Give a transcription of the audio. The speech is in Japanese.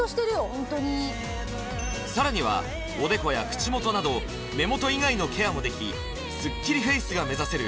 ホントにさらにはおでこや口元など目元以外のケアもできスッキリフェイスが目指せる